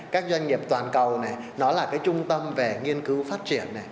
các doanh nghiệp toàn cầu nó là cái trung tâm về nghiên cứu phát triển